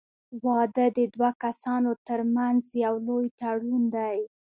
• واده د دوه کسانو تر منځ یو لوی تړون دی.